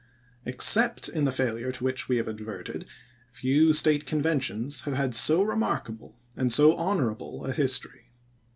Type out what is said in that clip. Except in the failure to which we have adverted, few State conventions have had so remarkable and so honorable a history.